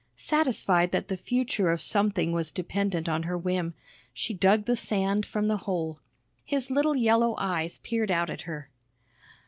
Satisfied that the future of something was dependent on her whim, she dug the sand from the hole. His little yellow eyes peered out at her.